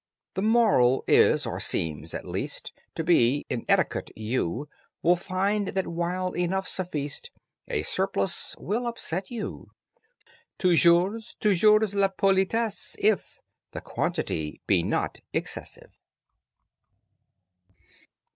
THE MORAL is (or seems, at least, To be): In etiquette you Will find that while enough's a feast A surplus will upset you. Toujours, toujours la politesse, if The quantity be not excessive.